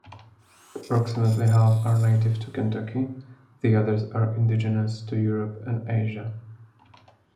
Approximately half are native to Kentucky; the others are indigenous to Europe and Asia.